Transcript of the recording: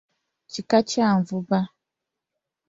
Kika kya Nvuba.